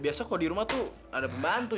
biasa kalau di rumah tuh ada pembantu